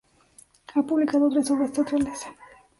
Ha publicado tres obras teatrales.